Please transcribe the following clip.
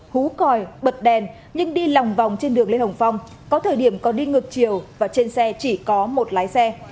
hú còi bật đèn nhưng đi lòng vòng trên đường lê hồng phong có thời điểm còn đi ngược chiều và trên xe chỉ có một lái xe